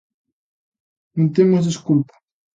Non temos desculpa.